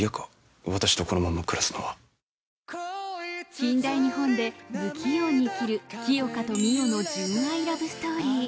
近代日本で不器用に生きる清霞と美世の純愛ラブストーリー。